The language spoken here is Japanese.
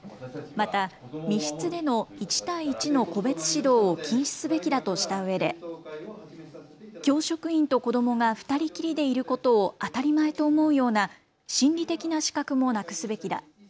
また、密室での１対１の個別指導を禁止すべきだとしたうえで教職員と子どもが２人きりでいることを当たり前と思うような心理的な死角もなくすべきだ。